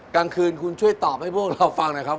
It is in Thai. กลางคืนคุณช่วยตอบให้พวกเราฟังหน่อยครับ